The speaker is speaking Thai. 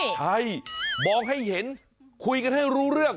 ใช่มองให้เห็นคุยกันให้รู้เรื่อง